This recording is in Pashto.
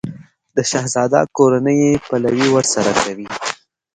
د شهزاده کورنۍ یې پلوی ورسره کوي.